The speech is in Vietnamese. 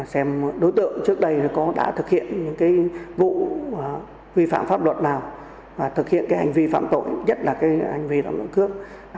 xem đối tượng trước đây đã thực hiện những vụ vi phạm pháp luật nào và thực hiện hành vi phạm tội nhất là hành vi lòng lộn cướp